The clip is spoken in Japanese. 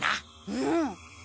うん！